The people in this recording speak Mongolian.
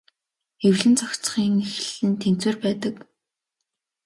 Эвлэн зохицохын эхлэл нь тэнцвэр байдаг.